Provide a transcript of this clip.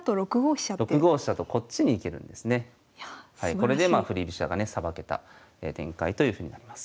これでまあ振り飛車がねさばけた展開というふうになります。